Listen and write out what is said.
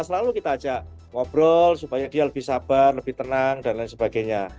selalu kita ajak ngobrol supaya dia lebih sabar lebih tenang dan lain sebagainya